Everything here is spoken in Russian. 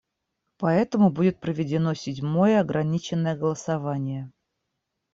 Поэтому будет проведено седьмое ограниченное голосование.